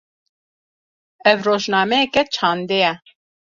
Ev, rojnameyeke çandê ye.